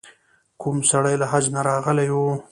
کوم سړی له حج نه راغلی و.